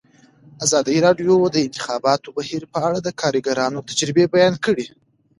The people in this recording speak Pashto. ازادي راډیو د د انتخاباتو بهیر په اړه د کارګرانو تجربې بیان کړي.